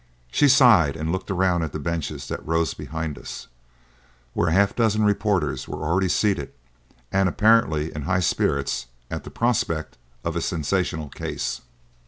She sighed and looked round at the benches that rose behind us, where a half dozen reporters were already seated and apparently in high spirits at the prospect of a sensational case.